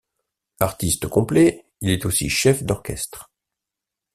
Artiste complet, il est aussi chef d'orchestre.